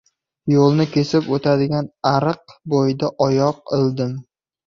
Yo‘lni kesib o‘tadigan ariq bo‘yida oyoq ildim.